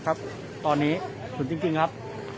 มันก็ไม่ต่างจากที่นี่นะครับ